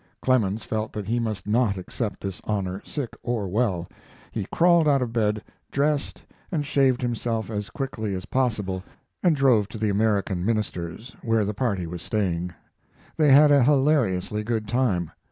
Clemens felt that he must not accept this honor, sick or well. He crawled out of bed, dressed and shaved himself as quickly as possible, and drove to the American minister's, where the party was staying. They had a hilariously good time.